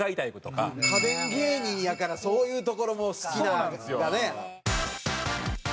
家電芸人やからそういうところも好きなんだね。